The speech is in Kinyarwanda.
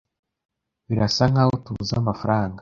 Birasa nkaho tubuze amafaranga.